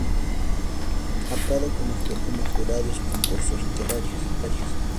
Ha participado como jurado en varios concursos literarios.